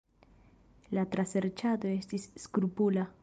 La traserĉado estis skrupula.